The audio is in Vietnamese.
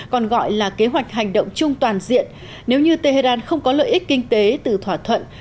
còn gọi là kế hoạch hành động chung toàn diện nếu như tehran không có lợi ích kinh tế từ thỏa thuận